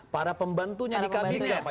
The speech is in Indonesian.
para pembantunya dikabin